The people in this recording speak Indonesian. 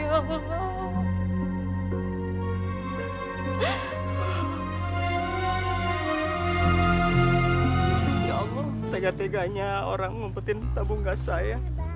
ya allah tega teganya orang ngumpetin tabung gas saya